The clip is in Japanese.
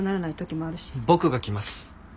僕が来ます。